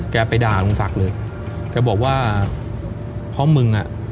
ไปด่าลุงศักดิ์เลยแกบอกว่าเพราะมึงอ่ะ